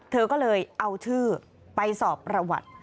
เธอก็เลยเอาชื่อไปสอบประวัติ